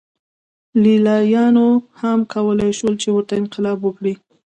لېلیانو هم کولای شول چې ورته انقلاب وکړي